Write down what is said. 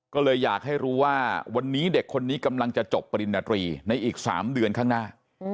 ก็เลยอยากให้รู้ว่าวันนี้เด็กคนนี้กำลังจะจบปริญญาตรีในอีก๓เดือนข้างหน้า